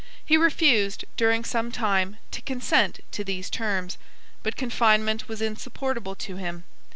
He refused, during some time, to consent to these terms; but confinement was insupportable to him.